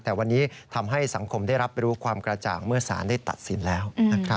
แต่วันนี้ทำให้สังคมได้รับรู้ความกระจ่างเมื่อสารได้ตัดสินแล้ว